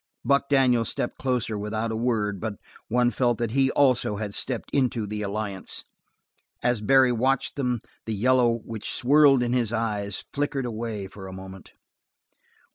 Buck Daniels stepped closer, without a word, but one felt that he also had walked into the alliance. As Barry watched them the yellow which swirled in his eyes flickered away for a moment.